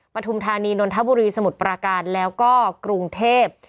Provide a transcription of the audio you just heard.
ปฐุมธานีนนทบุรีสมุทรปราการแล้วก็กรุงเทพ